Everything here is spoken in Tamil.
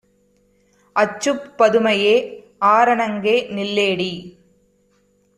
"அச்சுப் பதுமையே! ஆரணங்கே! நில்லேடி!